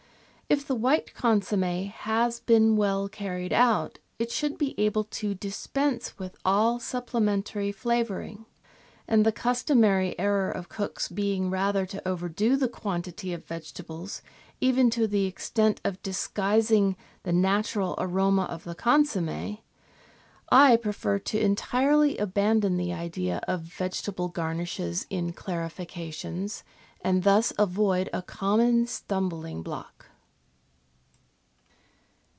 If the white consomm^ has been well carried out, it should be able to dispense with all supplementary flavouring, and, the customary error of cooks being rather to overdo the quantity of vegetables — even to the extent of disguising the natural aroma of the consomm^ — I preferred to entirely abandon 6 GUIDE TO MODERN COOKERY the idea of vegetable garnishes in clarifications, and thus avoid a common stumbling block.